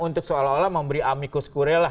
untuk seolah olah memberi amicus kurela